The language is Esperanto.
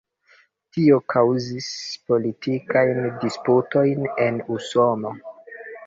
Tio kaŭzis politikajn disputojn en Usono.